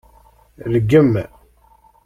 Rgem.